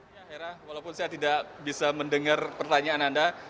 ya hera walaupun saya tidak bisa mendengar pertanyaan anda